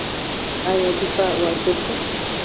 آیا دفاع واجب ده؟